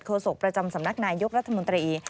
โศกประจำสำนักนายยกรัฐมนตรี